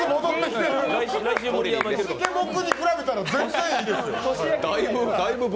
吸殻に比べたら全然いいですよ。